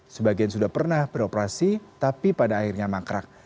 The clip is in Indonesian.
sebagian sudah pernah beroperasi tapi pada akhirnya mangkrak